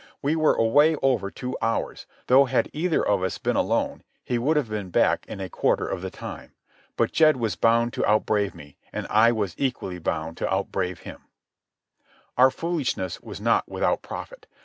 We were away over two hours, though had either of us been alone he would have been back in a quarter of the time. But Jed was bound to outbrave me, and I was equally bound to outbrave him. Our foolishness was not without profit.